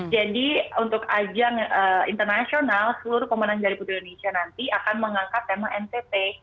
jadi untuk ajang internasional seluruh pemenang jari putri indonesia nanti akan mengangkat tema ntt